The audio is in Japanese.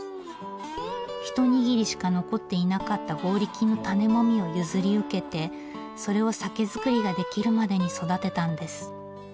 一握りしか残っていなかった強力の種もみを譲り受けてそれを酒造りができるまでに育てたんです。